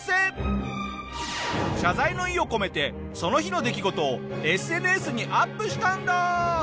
謝罪の意を込めてその日の出来事をＳＮＳにアップしたんだ！